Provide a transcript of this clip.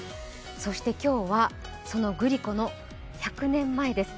そして今日はそのグリコの１００年前です。